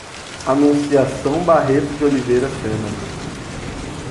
Anunciação Barreto de Oliveira Sena